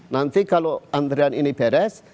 nanti kalau antrian ini beres